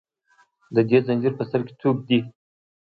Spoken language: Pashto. د دې زنځیر په سر کې څوک دي